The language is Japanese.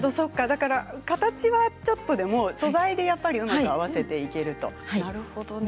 形はちょっとでも素材でうまく合わせていけるんですね。